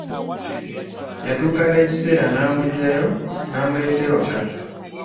Yatuuka n'ekiseera n'amuggyayo n'muleeta ewaka.